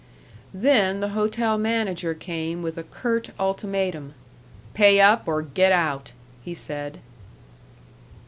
Then the hotel manager came with a curt ultimatum: "Pay up or get out," he said.